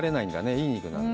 いい肉なんだ。